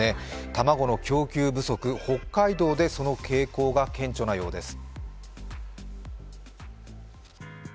卵の供給不足、北海道でその傾向が顕著なようです。